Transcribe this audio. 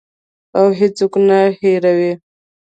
او هیڅوک نه هیروي.